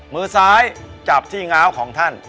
มือซ้ายจับที่ง้าวของท่าน